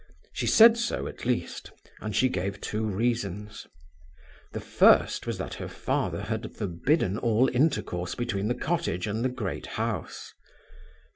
She said so, at least, and she gave two reasons. The first was that her father had forbidden all intercourse between the cottage and the great house.